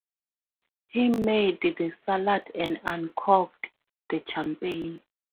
He made the salad and uncorked the champagne.